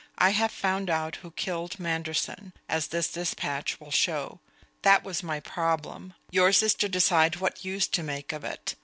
I have found out who killed Manderson, as this despatch will show. That was my problem; yours is to decide what use to make of it.